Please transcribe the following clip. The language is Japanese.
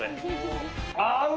合う！